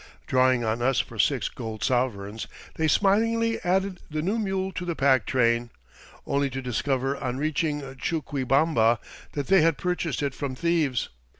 Drawing on us for six gold sovereigns, they smilingly added the new mule to the pack train; only to discover on reaching Chuquibamba that they had purchased it from thieves.